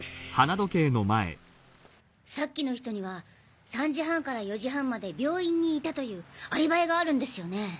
さっきの人には３時半から４時半まで病院にいたというアリバイがあるんですよね。